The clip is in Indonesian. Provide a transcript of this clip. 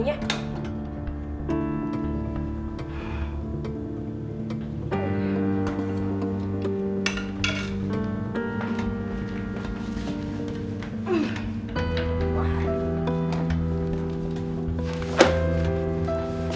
banyak majalah bekas nih